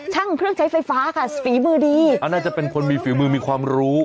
ช่างเครื่องใช้ไฟฟ้าค่ะฝีมือดีอ่าน่าจะเป็นคนมีฝีมือมีความรู้